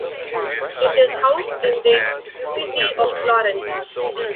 It is housed in the Uffizi of Florence.